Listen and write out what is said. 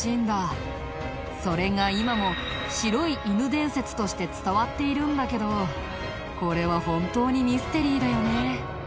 それが今も白い犬伝説として伝わっているんだけどこれは本当にミステリーだよね。